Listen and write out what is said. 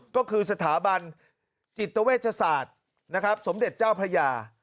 ก็คือสถาบันจิตเวชศาสตร์นะครับสมเด็จเจ้าพระยา